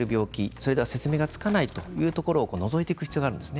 それでは説明がつかないというところを除いていく必要があるんです。